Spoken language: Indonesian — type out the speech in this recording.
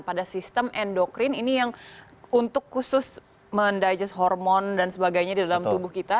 pada sistem endokrin ini yang untuk khusus mendigest hormon dan sebagainya di dalam tubuh kita